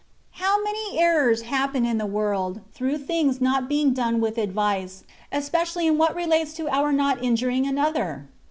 How many errors happen in the world, through things not being done with advice, especially in what relates to our not injuring another?